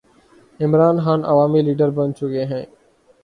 عمران خان عوامی لیڈر بن چکے ہیں۔